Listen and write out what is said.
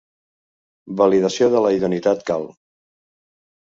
Validació de la idoneïtat cal.